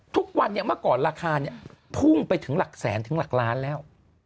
ทุกวันนี้เมื่อก่อนราคาเนี่ยพุ่งไปถึงหลักแสนถึงหลักล้านแล้ว